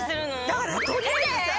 だからとりあえずさ。